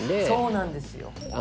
そうなんですよ。